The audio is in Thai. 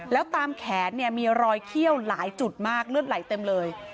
แล้วตามแขนเนี่ยมีรอยเขี้ยวหลายจุดมากเลือดไหลเต็มเลย